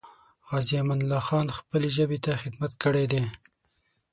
غازي امان الله خان خپلې ژبې ته خدمت کړی دی.